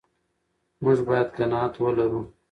موږ باید قناعت ولرو.